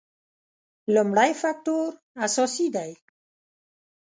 لومړی فکټور اساسي دی.